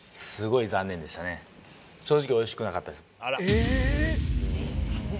正直おいしくなかったです